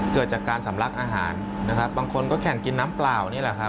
เกิดจากการสำลักอาหารบางคนก็แข่งกินน้ำเปล่า